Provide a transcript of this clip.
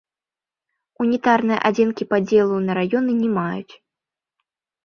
Унітарныя адзінкі падзелу на раёны не маюць.